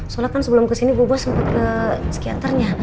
soalnya kan sebelum kesini bu bos sempet ke psikiaternya